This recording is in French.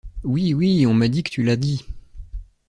Oui, oui, on m’a dit que tu l’as dit.